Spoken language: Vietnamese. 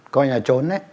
coi như là trốn